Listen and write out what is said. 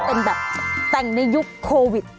เป็นแบบแต่งในยุคโควิด